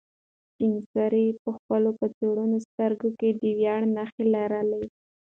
سپین سرې په خپل کڅوړنو سترګو کې د ویاړ نښې لرلې.